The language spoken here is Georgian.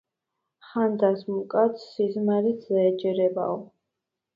ხანდაზმულ კაცს სიზმარიც დაეჯერებაო.